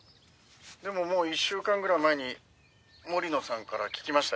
でももう１週間ぐらい前に森野さんから聞きましたよ」